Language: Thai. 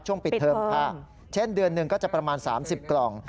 เช่นเดือนหนึ่งก็จะประมาณ๓๐กล่อง